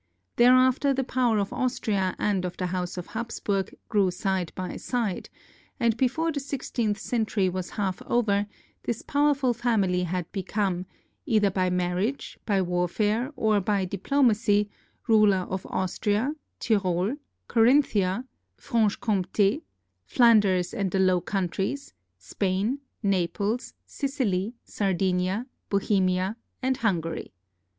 Thereafter the power of Austria and of the House of Hapsburg grew side by side, and before the sixteenth century was half over, this powerful family had become, either by marriage, by warfare, or by diplomacy, ruler of Austria, Tyrol, Corinthia, Franche Comte, Flanders and the Low Countries, Spain, Naples, Sicily, Sardinia, Bohemia, and Hungary.